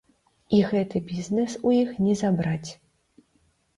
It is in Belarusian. І гэты бізнес у іх не забраць!